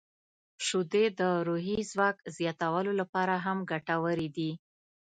• شیدې د روحي ځواک زیاتولو لپاره هم ګټورې دي.